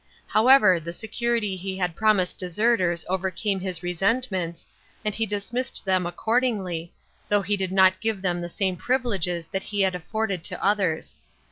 However, the security he had promised deserters overcame his resentments, and he dismissed them accordingly, though he did not give them the same privileges that he had afforded to others.